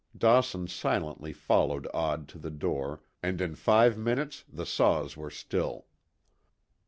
Dawson silently followed Odd to the door, and in five minutes the saws were still.